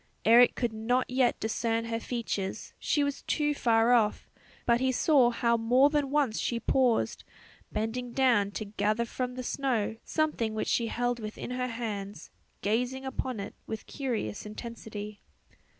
Eric could not yet discern her features, she was too far off; but he saw how more than once she paused, bending down to gather from the snow something which she held within her hands, gazing upon it with curious intensity.